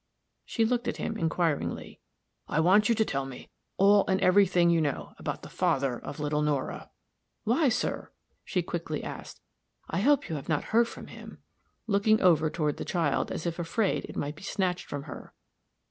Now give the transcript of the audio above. She looked at him inquiringly. "I want you to tell me all and every thing you know about the father of little Nora." "Why, sir?" she quickly asked. "I hope you have not heard from him," looking over toward the child, as if afraid it might be snatched from her.